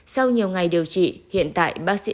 sau nhiều ngày điều trị hiện tại